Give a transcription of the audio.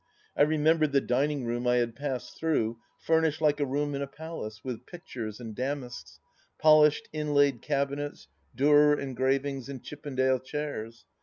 I remembered the dining room I had passed through, furnished like a room in a palace, with pictures and damasks, polished inlaid cabinets, Durer engravings, and Chippendale chairs.